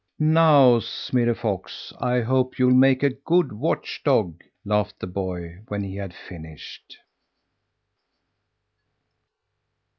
"Now, Smirre Fox, I hope you'll make a good watch dog," laughed the boy when he had finished.